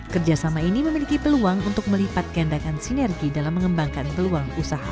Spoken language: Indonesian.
kerjasama ini memiliki peluang untuk melipat gandakan sinergi dalam mengembangkan peluang usaha